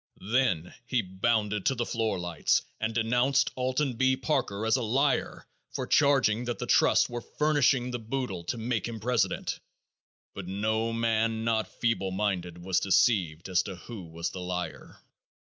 Then he bounded to the foot lights and denounced Alton B. Parker as a liar for charging that the trusts were furnishing the boodle to make him president, but no man not feeble minded was deceived as to who was the liar.